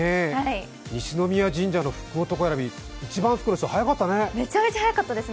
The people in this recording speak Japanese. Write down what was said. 西宮神社の福男選び、一番福の人、速かったね。